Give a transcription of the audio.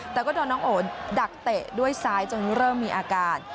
แต่ก็โดนน้องโอนดักเตะด้วยซ้ายจนเริ่มมีอาการ